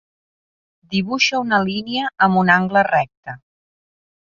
Dibuixa una línia amb un angle recte.